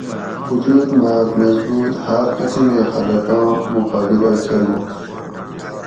اوجود ماۤک مضبوط ھاۤر قسیمیں خلکاں مقابلہ کربنش